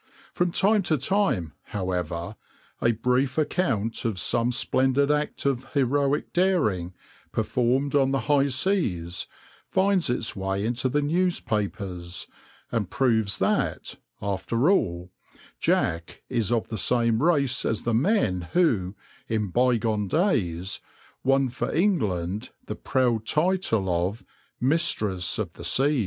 From time to time, however, a brief account of some splendid act of heroic daring, performed on the high seas, finds its way into the newspapers, and proves that, after all, Jack is of the same race as the men who, in bygone days, won for England the proud title of "Mistress of the Seas."